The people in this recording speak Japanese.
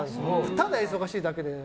ただ忙しいだけで。